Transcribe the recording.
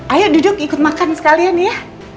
ayo duduk ikut makan sekalian ya